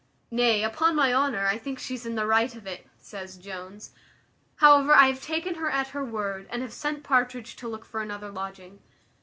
"Nay, upon my honour, I think she's in the right of it," says Jones: "however, I have taken her at her word, and have sent Partridge to look for another lodging."